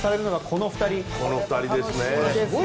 この２人ですね。